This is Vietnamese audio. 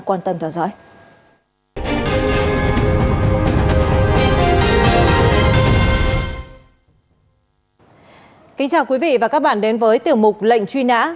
kính chào quý vị và các bạn đến với tiểu mục lệnh truy nã